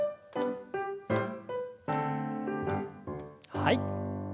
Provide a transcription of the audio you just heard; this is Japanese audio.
はい。